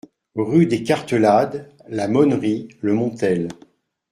Rue des Cartelades, La Monnerie-le-Montel